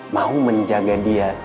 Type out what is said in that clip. mau menjaga dia